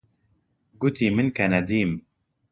گوتی من کەنەدیم.